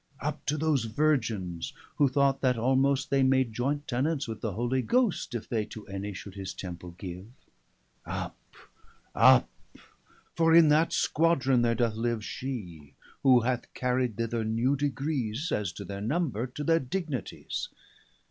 Up to those Virgins, who thought, that almost They made joyntenants with the Holy Ghost, If they to any should his Temple give. 355 Up, up, for in that squadron there doth live She, who hath carried thither new degrees (As to their number) to their dignities.